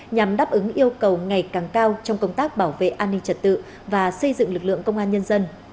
nhằm đáp ứng yêu cầu ngày càng cao trong công tác bảo vệ an ninh trật tự và xây dựng lực lượng công an nhân dân